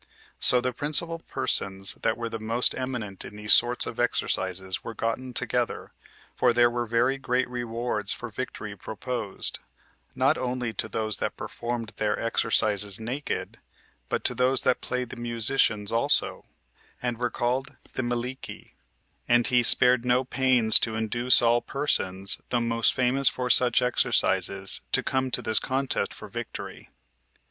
So the principal persons that were the most eminent in these sorts of exercises were gotten together, for there were very great rewards for victory proposed, not only to those that performed their exercises naked, but to those that played the musicians also, and were called Thymelici; and he spared no pains to induce all persons, the most famous for such exercises, to come to this contest for victory.